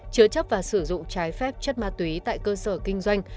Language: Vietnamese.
chứa chấp và sử dụng trái phép chất ma túy tại cơ sở kinh doanh